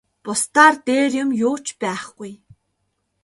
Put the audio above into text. Бусдаар дээр юм юу ч байхгүй.